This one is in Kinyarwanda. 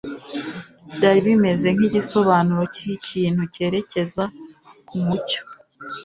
Byari bimeze nkigisobanuro cy'ikintu cyerekeza ku mucyo.